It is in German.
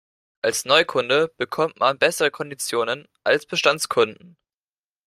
Als Neukunde bekommt man bessere Konditionen als Bestandskunden.